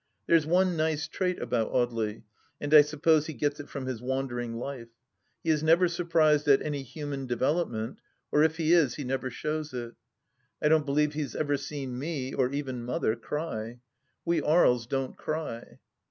There's one nice trait about Audely, and I suppose he gets it from his wandering life : he is never surprised at any human development, or if he is he never shows it. I don't believe he has ever seen me, or even Mother, cry. We Aries don't cry.